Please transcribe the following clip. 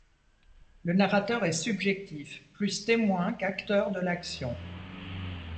Le narrateur est subjectif, plus témoin qu'acteur de l'action.